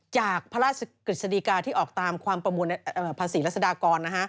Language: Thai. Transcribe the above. จากพระราชกฤษฎีกาที่ออกตามความประมวลภาษีรัศดากร